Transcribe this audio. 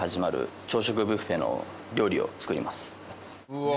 うわ。